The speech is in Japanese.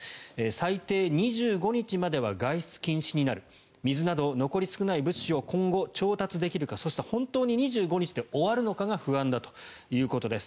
最低２５日までは外出禁止になる水など残り少ない物資を今後、調達できるかそして本当に２５日で終わるのかが不安だということです。